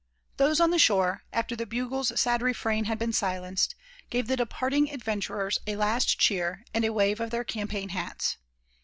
Those on the shore, after the bugle's sad refrain had been silenced, gave the departing adventurers a last cheer, and a wave of their campaign hats.